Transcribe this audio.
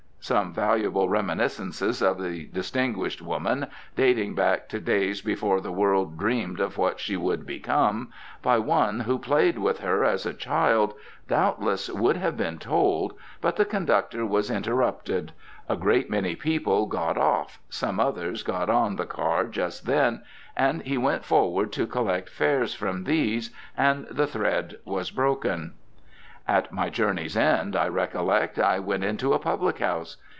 Some valuable reminiscences of the distinguished woman, dating back to days before the world dreamed of what she would become, by one who played with her as a child, doubtless would have been told, but the conductor was interrupted; a great many people got off, some others got on the car just then, and he went forward to collect fares from these, and the thread was broken. At my journey's end, I recollect, I went into a public house.